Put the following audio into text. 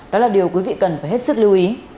đó là điều quý vị cần phải hết sức lưu ý